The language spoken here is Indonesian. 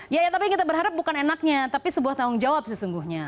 ya tapi kita berharap bukan enaknya tapi sebuah tanggung jawab sesungguhnya